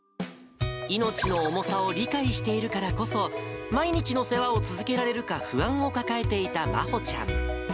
命の重さを理解しているからこそ、毎日の世話を続けられるか不安を抱えていたまほちゃん。